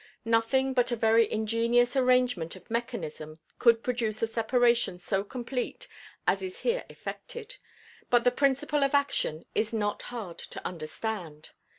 Nothing but a very ingenious arrangement of mechanism could produce a separation so complete as is here effected; but the principle of action is not hard to understand.